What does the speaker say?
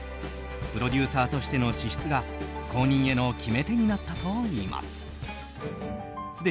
プロデューサーとしての資質が後任への決め手になったといいます。